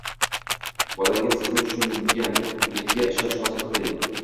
Bolangiz sizni tushunganligiga ishonch hosil qiling.